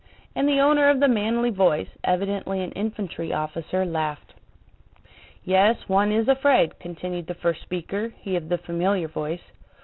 And the owner of the manly voice, evidently an infantry officer, laughed. "Yes, one is afraid," continued the first speaker, he of the familiar voice.